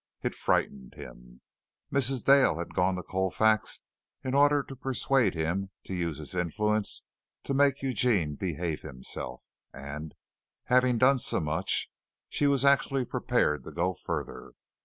It frightened him. Mrs. Dale had gone to Colfax in order to persuade him to use his influence to make Eugene behave himself, and, having done so much, she was actually prepared to go further.